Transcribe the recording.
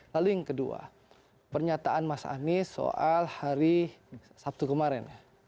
lalu yang kedua pernyataan mas anies soal hari sabtu kemarin